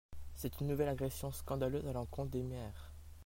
C’est une nouvelle agression scandaleuse à l’encontre des maires.